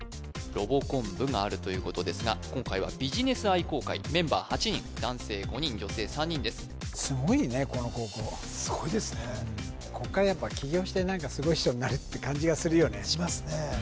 ロボコン部があるということですが今回はビジネス愛好会メンバー８人男性５人女性３人ですすごいねこの高校すごいですねこっからやっぱ起業してすごい人になるって感じがするよねしますね